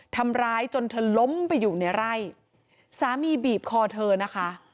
ทำร้ายจนเธอล้มไปอยู่ในไร่สามีบีบคอเธอนะคะ